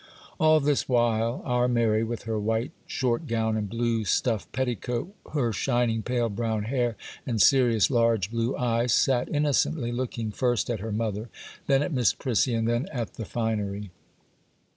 All this while, our Mary, with her white short gown and blue stuff petticoat, her shining pale brown hair and serious large blue eyes, sat innocently looking first at her mother, then at Miss Prissy, and then at the finery.